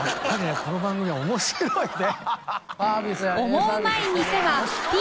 この番組は面白いね。